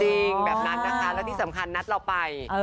จริงแบบนั้นนะคะแล้วที่สำคัญนัดเราไป